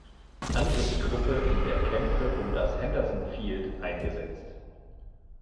Angriffsgruppe in der Kämpfe um das Henderson Field eingesetzt.